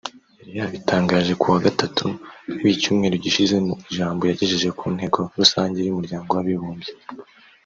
yari yabitangaje kuwa Gatatu w’icyumweru gishize mu ijambo yagejeje ku Nteko Rusange y’Umuryango w’Abibumbye